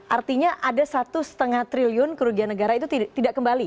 artinya ada satu lima triliun kerugian negara itu tidak kembali